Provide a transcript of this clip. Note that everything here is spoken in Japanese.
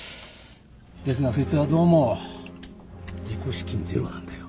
ですがそいつはどうも自己資金ゼロなんだよ。